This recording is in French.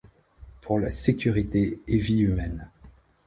Pour la sécurité et vie humaine.